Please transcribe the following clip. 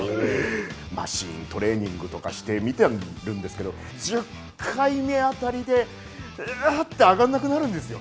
マシントレーニングとかしてみてるんですけど、１０回目あたりで、うわって上がらなくなるんですよ。